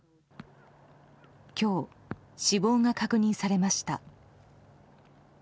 今日、死亡が確認されました。